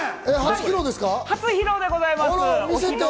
初披露でございます。